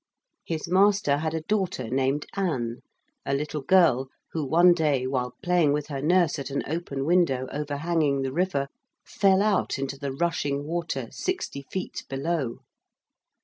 His master had a daughter named Anne, a little girl who one day, while playing with her nurse at an open window overhanging the river, fell out into the rushing water sixty feet below.